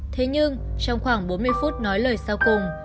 thế nhưng trong khoảng bốn mươi phút nói lời sau cùng